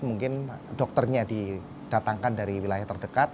mungkin dokternya didatangkan dari wilayah terdekat